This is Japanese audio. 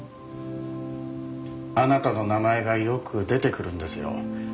あなたの名前がよく出てくるんですよ。